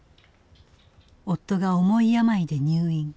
夫が重い病で入院。